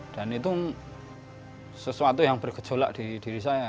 dan itu sesuatu yang bergejolak di diri saya